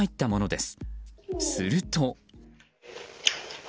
すると。